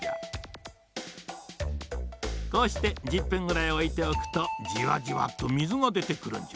こうして１０分ぐらいおいておくとじわじわっと水がでてくるんじゃ。